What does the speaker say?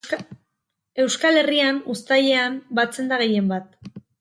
Euskal Herrian uztailean batzen da gehien bat.